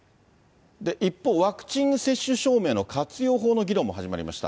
一方、ワクチン接種証明の活用法の議論も始まりました。